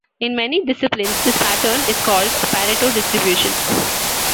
In many disciplines this pattern is called a Pareto distribution.